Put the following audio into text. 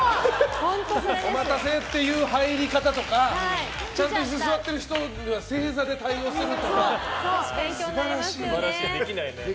お待たせって入り方とかちゃんと座っている人には正座で対応するとかできないね。